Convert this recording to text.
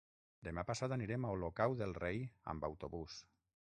Demà passat anirem a Olocau del Rei amb autobús.